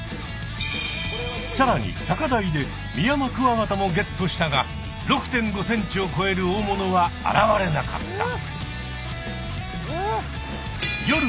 さらに高台でミヤマクワガタもゲットしたが６．５ｃｍをこえる大物は現れなかった。